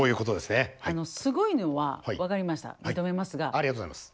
ありがとうございます。